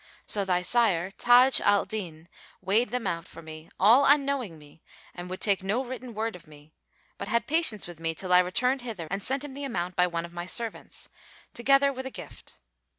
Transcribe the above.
So thy sire Taj al Din weighed them out[FN#446] for me, all unknowing me, and would take no written word of me, but had patience with me till I returned hither and sent him the amount by one of my servants, together with a gift.